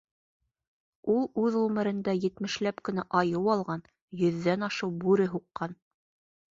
Ул үҙ ғүмерендә етмешләп кенә айыу алған, йөҙҙән ашыу бүре һуҡҡан.